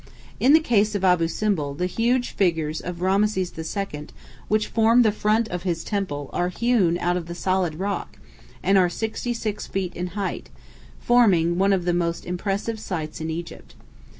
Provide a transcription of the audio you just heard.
In the case of Abou Simbel, the huge figures of Rameses II. which form the front of his temple are hewn out of the solid rock, and are 66 feet in height, forming one of the most impressive sights in Egypt.